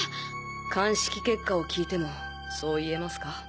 鑑識結果を聞いてもそう言えますか？